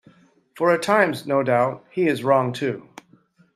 For at times, no doubt, he is wrong too.